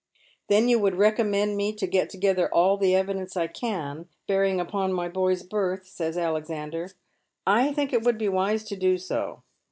"Then you would recommend me to get together all the evidence I can bearing upon my boy's birth," says Alexis. " I tliink it would be wise to do so.